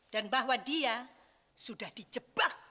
dan bahwa dia sudah dijebak